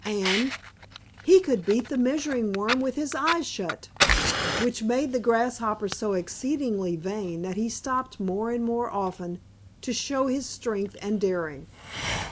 and "He could beat the Measuring Worm with his eyes shut!" which made the Grasshopper so exceedingly vain that he stopped more and more often to show his strength and daring.